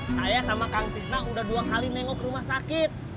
saya sama kang pisnah udah dua kali nengok rumah sakit